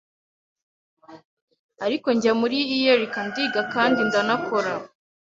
ariko njya muri ULK ndiga kandi ndanakora